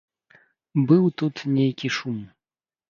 Быў тут нейкі шум.